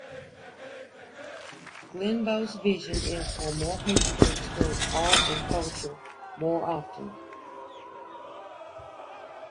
Glenbow's vision is for more people to experience art and culture more often.